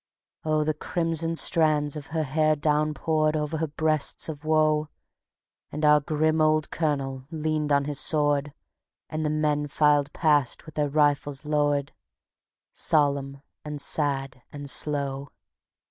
Oh, the crimson strands of her hair downpoured Over her breasts of woe; And our grim old Colonel leaned on his sword, And the men filed past with their rifles lowered, Solemn and sad and slow.